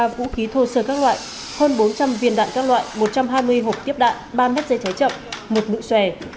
một trăm một mươi ba vũ khí thô sờ các loại hơn bốn trăm linh viên đạn các loại một trăm hai mươi hộp tiếp đạn ba mét dây cháy chậm một nụ xòe